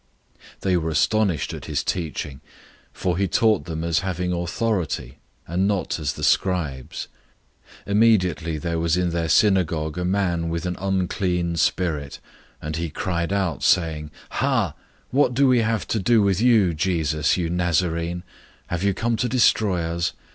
001:022 They were astonished at his teaching, for he taught them as having authority, and not as the scribes. 001:023 Immediately there was in their synagogue a man with an unclean spirit, and he cried out, 001:024 saying, "Ha! What do we have to do with you, Jesus, you Nazarene? Have you come to destroy us?